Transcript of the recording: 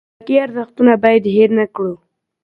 اخلاقي ارزښتونه باید هیر نه کړو.